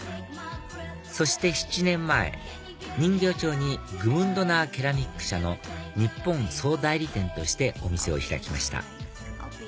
そして７年前人形町にグムンドナー・ケラミック社の日本総代理店としてお店を開きました